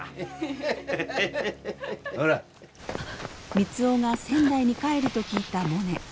三生が仙台に帰ると聞いたモネ。